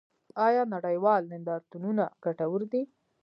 آیا نړیوال نندارتونونه ګټور دي؟